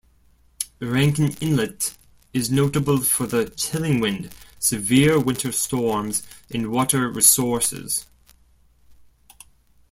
Rankin Inlet is notable for the chilling wind, severe winter storms, and water resources.